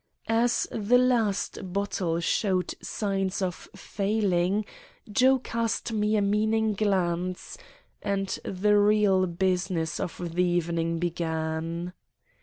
As the last bottle showed signs of failing, Joe cast me a meaning glance, and the real business of the evening began.